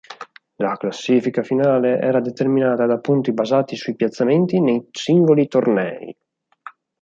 La classifica finale era determinata da punti basati sui piazzamenti nei singoli tornei.